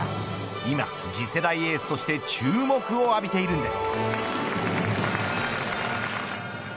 今、次世代エースとして注目を浴びているんです。